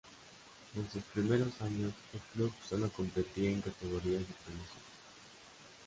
En sus primeros años el club sólo competía en categorías de promoción.